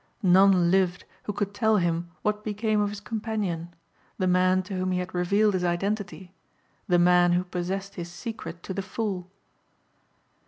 None lived who could tell him what became of his companion, the man to whom he had revealed his identity, the man who possessed his secret to the full.